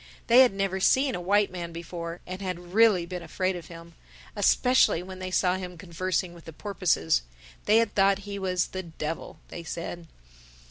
They had never seen a white man before and had really been afraid of him—especially when they saw him conversing with the porpoises. They had thought he was the Devil, they said.